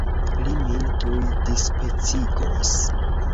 Li min tuj dispecigos!